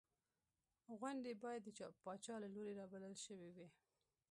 غونډې باید د پاچا له لوري رابلل شوې وې.